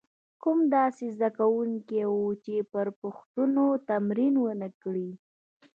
کم داسې زده کوونکي وو چې پر پوښتنو تمرین ونه کړي.